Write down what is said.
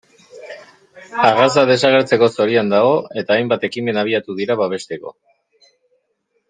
Arraza desagertzeko zorian dago, eta hainbat ekimen abiatu dira babesteko.